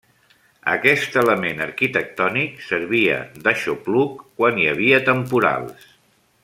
Aquest element arquitectònic servia d'aixopluc quan hi havia temporals.